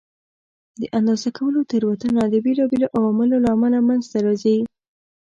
د اندازه کولو تېروتنه د بېلابېلو عواملو له امله منځته راځي.